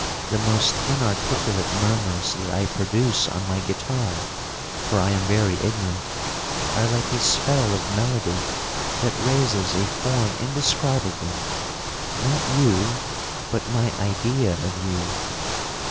The most inarticulate murmurs that I produce on my guitar (for I am very ignorant) are like a spell of melody that raises a form indescribable—not you, but my idea of you.